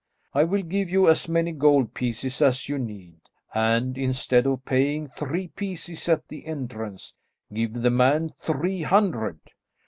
I will give you as many gold pieces as you need, and instead of paying three pieces at the entrance, give the man three hundred.